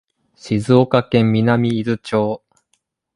静岡県南伊豆町